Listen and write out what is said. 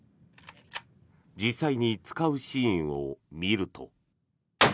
実際に使うシーンを見ると。